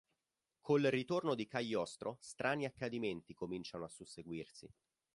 Col ritorno di Cagliostro, strani accadimenti cominciano a susseguirsi.